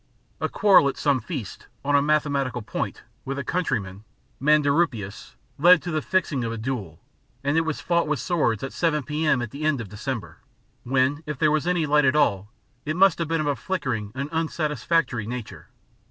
A quarrel at some feast, on a mathematical point, with a countryman, Manderupius, led to the fixing of a duel, and it was fought with swords at 7 p.m. at the end of December, when, if there was any light at all, it must have been of a flickering and unsatisfactory nature.